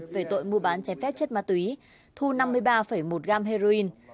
về tội mua bán trái phép chất ma túy thu năm mươi ba một gram heroin